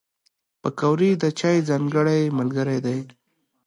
پکورې د چای ځانګړی ملګری دی